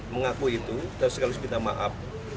mengaku itu terus sekali kita minta maaf